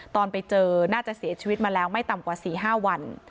ตอนไปเจอน่าจะเสียชีวิตมาแล้วไม่ต่ำกว่า๔๕วัน